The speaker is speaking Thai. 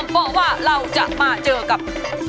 บอกว่าเราจะมาเจอกับ